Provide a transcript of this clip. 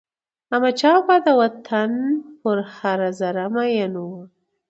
احمدشاه بابا د وطن پر هره ذره میین و.